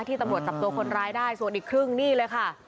ตำรวจจับตัวคนร้ายได้ส่วนอีกครึ่งนี่เลยค่ะ